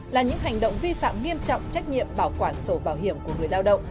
là những hành động vi phạm nghiêm trọng trách nhiệm bảo quản sổ bảo hiểm của người lao động